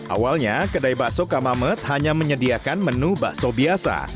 awalnya kedai bakso kamamet hanya menyediakan menu bakso biasa